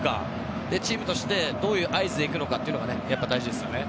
そして、チームとしてどういう合図で行くのかもやっぱり大事ですよね。